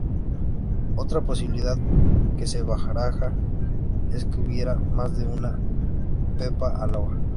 Otra posibilidad que se baraja es que hubiera más de una Pepa a Loba.